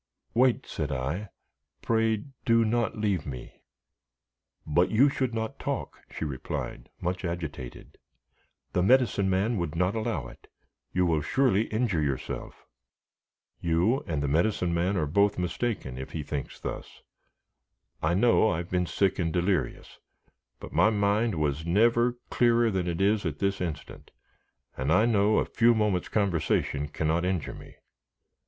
"Wait," said I; "pray do not leave me." "But you should not talk," she replied, much agitated; "the Medicine Man would not allow it; you will surely injure yourself." "You and the Medicine Man are both mistaken, if he thinks thus. I know I have been sick and delirious, but my mind was never clearer than it is this instant, and I know a few moments' conversation cannot injure me.